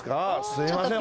すいません